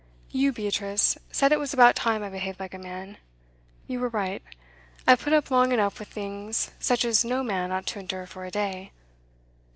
You, Beatrice, said it was about time I behaved like a man. You were right. I've put up long enough with things such as no man ought to endure for a day.